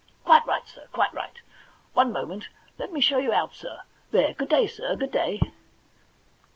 * Quite right, sir, quite right. One moment — let me show you out, sir. There— good day, sir, good day.'